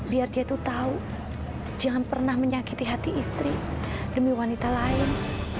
biar dia itu tahu jangan pernah menyakiti hati istri demi wanita lain